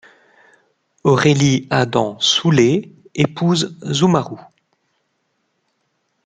Aurelie Adam Soulé épouse Zoumarou.